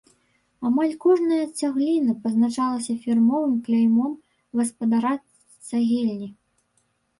Амаль кожная цагліна пазначалася фірмовым кляймом гаспадара цагельні.